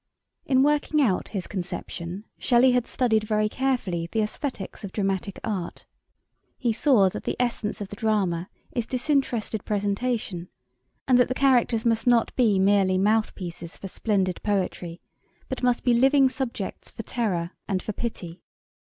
In working out his conception, Shelley had studied very carefully the aesthetics of dramatic art. He saw that the essence of the drama is disinterested presentation, and that the characters must not be merely mouthpieces for splendid poetry but must be living subjects for terror and for pity.